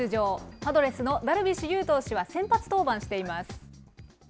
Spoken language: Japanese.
パドレスのダルビッシュ有投手は先発登板しています。